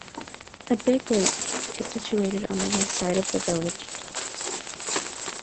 A big lake is situated on the west side of the village.